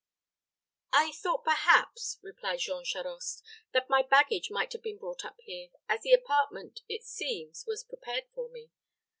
"I thought, perhaps," replied Jean Charost, "that my baggage might have been brought up here, as the apartment, it seems, was prepared for me.